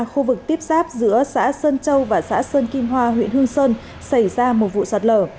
khu vực tiếp giáp giữa xã sơn châu và xã sơn kim hoa huyện hương sơn xảy ra một vụ sạt lở